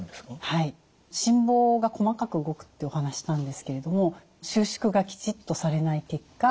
心房が細かく動くってお話ししたんですけれども収縮がきちっとされない結果